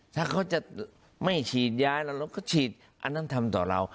ถ้าเขาจะไม่ฉีดย้ายแล้วเราก็ฉีดอันนั้นทำต่อเรา